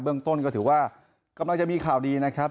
เรื่องต้นก็ถือว่ากำลังจะมีข่าวดีนะครับ